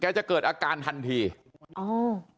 แกจะเกิดอาการทันทีอ้าว